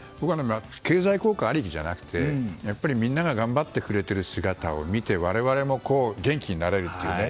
経済効果ありきじゃなくてみんなが頑張ってくれている姿を見て我々も元気になれるというね。